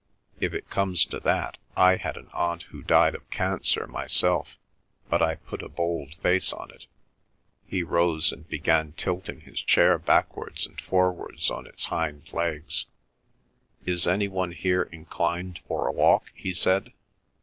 If it comes to that, I had an aunt who died of cancer myself, but I put a bold face on it—" He rose and began tilting his chair backwards and forwards on its hind legs. "Is any one here inclined for a walk?" he said.